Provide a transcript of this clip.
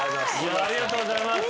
ありがとうございます。